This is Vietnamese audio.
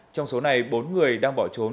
trong số này bốn người đang bỏ trốn